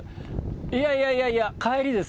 いやいやいやいや、帰りです。